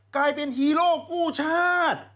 กลายเป็นฮีโร่กู้ชาติ